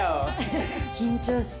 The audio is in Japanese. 緊張した。